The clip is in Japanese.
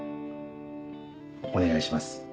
お願いします